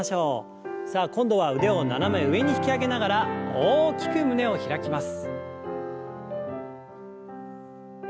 さあ今度は腕を斜め上に引き上げながら大きく胸を開きます。